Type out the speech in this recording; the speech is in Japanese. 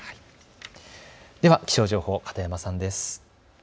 では気象情報、片山さんです。